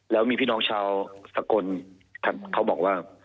แล้วมีพี่น้องชาวสกลเขาบอกว่า